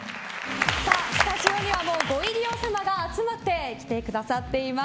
スタジオにはご入り用様が集まってきてくださっています。